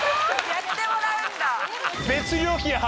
やってもらうんだ。